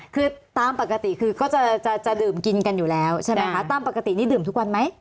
คือตามปกติคือก็จะจะดื่มกินกันอยู่แล้วใช่ไหมคะตามปกตินี่ดื่มทุกวันไหม